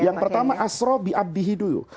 yang pertama asro biabdihi dulu